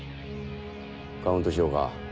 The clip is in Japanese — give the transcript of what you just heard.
カウントしようか？